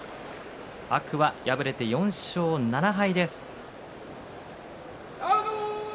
天空海は敗れて４勝７敗です。